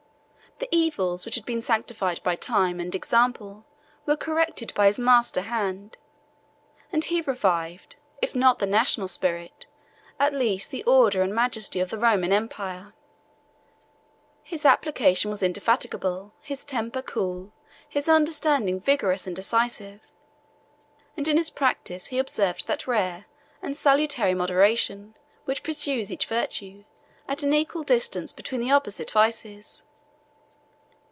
The evils which had been sanctified by time and example, were corrected by his master hand; and he revived, if not the national spirit, at least the order and majesty of the Roman empire. His application was indefatigable, his temper cool, his understanding vigorous and decisive; and in his practice he observed that rare and salutary moderation, which pursues each virtue, at an equal distance between the opposite vices.